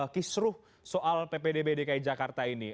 kisruh soal ppdbdki jakarta ini